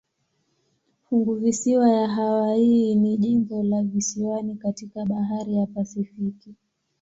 Funguvisiwa ya Hawaii ni jimbo la visiwani katika bahari ya Pasifiki.